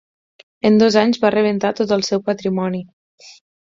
En dos anys va rebentar tot el seu patrimoni.